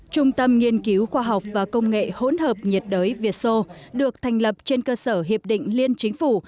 trung tâm nghiên cứu khoa học và công nghệ hỗn hợp nhiệt đới việt sô được thành lập trên cơ sở hiệp định liên chính phủ